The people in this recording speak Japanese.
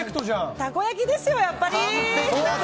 たこ焼きですよ、やっぱり。